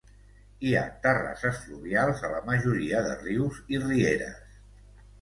Hi ha terrasses fluvials a la majoria de rius i rieres.